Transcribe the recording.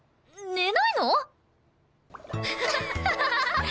寝ないの！？